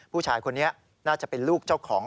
ผู้ชายคนนี้น่าจะเป็นลูกเจ้าของ